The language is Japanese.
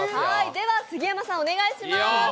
では、杉山さんお願いします。